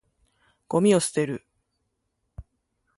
ゴミを捨てる。